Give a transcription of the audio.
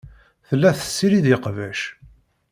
Tella tessirid iqbac.